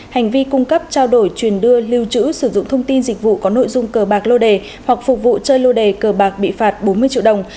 hành vi cung cấp trao đổi truyền đưa lưu trữ sử dụng thông tin dịch vụ có nội dung cờ bạc lô đề hoặc phục vụ chơi lô đề cờ bạc bị phạt bốn mươi triệu đồng